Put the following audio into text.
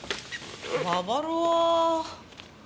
ババロア。